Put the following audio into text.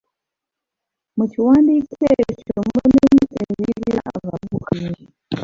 Mu kiwandiiko ekyo mulimu ebiyigiriza abavubuka bingi.